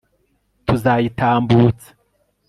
tuzayitambutsa